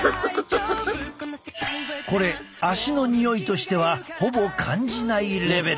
これ足のにおいとしてはほぼ感じないレベル！